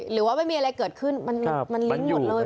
หรือว่าไม่มีอะไรเกิดขึ้นมันลิ้นหยุดเลย